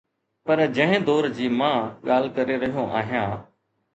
پر جنهن دور جي مان ڳالهه ڪري رهيو آهيان.